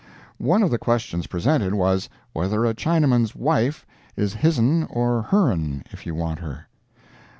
One of the questions presented was, whether a Chinaman's wife is his'n or your'n if you want her.